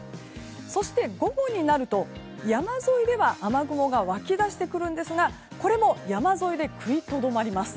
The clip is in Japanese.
そして午後になると山沿いでは雨雲が湧き出してくるんですがこれも山沿いで踏みとどまります。